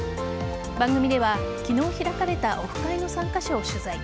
番組では、昨日開かれたオフ会の参加者を取材。